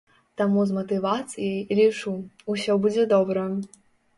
Таму з матывацыяй, лічу, усё будзе добра.